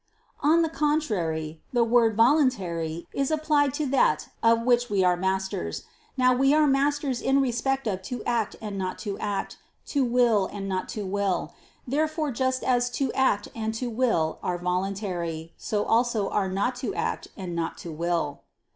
On the contrary, The word "voluntary" is applied to that of which we are masters. Now we are masters in respect of to act and not to act, to will and not to will. Therefore just as to act and to will are voluntary, so also are not to act and not to will.